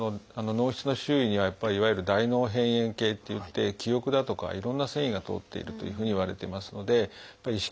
脳室の周囲にはいわゆる「大脳辺縁系」っていって記憶だとかいろんな線維が通っているというふうにいわれてますので意識